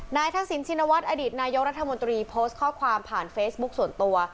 ทักษิณชินวัฒน์อดีตนายกรัฐมนตรีโพสต์ข้อความผ่านเฟซบุ๊คส่วนตัว